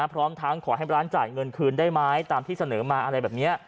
พร้อมทั้งขอให้ร้านจ่ายเงินคืนได้ไหมตามที่เสนอมาอะไรแบบนี้